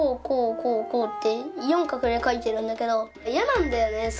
こうこうこうって四画で書いてるんだけどやなんだよね